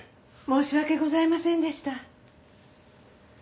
申し訳ございませんでした。